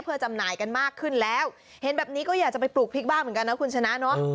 เพื่อจำหน่ายกันมากขึ้นแล้วเห็นแบบนี้ก็อยากจะไปปลูกพริกบ้างเหมือนกันนะคุณชนะเนาะ